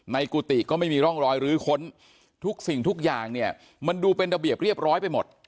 กุฏิก็ไม่มีร่องรอยลื้อค้นทุกสิ่งทุกอย่างเนี่ยมันดูเป็นระเบียบเรียบร้อยไปหมด